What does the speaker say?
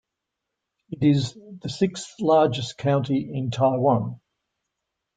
It is the sixth largest county in Taiwan.